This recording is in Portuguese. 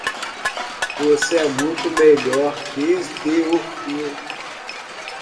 Você é muito melhor desde o frio.